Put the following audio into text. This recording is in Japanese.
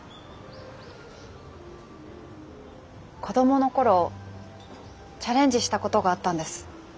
子供の頃チャレンジしたことがあったんです。